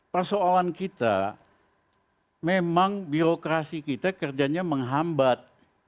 persoalan kita memang birokrasi kita kerjanya menghambat